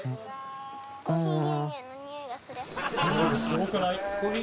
すごくない？